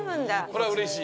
これはうれしい。